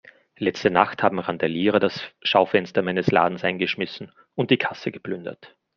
Letzte Nacht haben Randalierer das Schaufenster meines Ladens eingeschmissen und die Kasse geplündert.